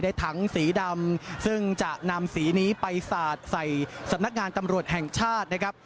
ถังสีดำซึ่งจะนำสีนี้ไปสาดใส่สำนักงานตำรวจแห่งชาตินะครับ